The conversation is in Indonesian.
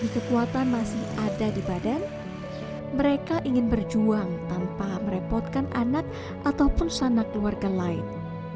kekuatan masih ada di badan mereka ingin berjuang tanpa merepotkan anak ataupun sanak keluarga lain